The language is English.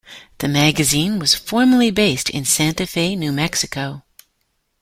The magazine was formerly based in Santa Fe, New Mexico.